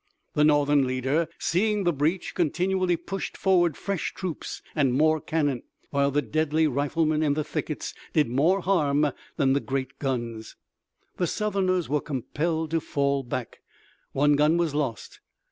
The Northern leader, seeing the breach, continually pushed forward fresh troops and more cannon, while the deadly riflemen in the thickets did more harm than the great guns. The Southerners were compelled to fall back. One gun was lost.